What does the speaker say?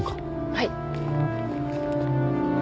はい。